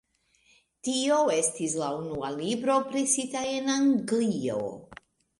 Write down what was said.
Tio estis la unua libro presita en Anglio.